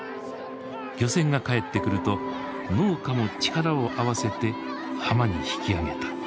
漁船が帰ってくると農家も力を合わせて浜に引き上げた。